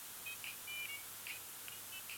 耶姆古姆是德国下萨克森州的一个市镇。